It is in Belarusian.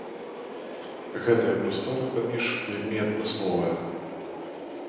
Гэтая прастора паміж вельмі адмысловая.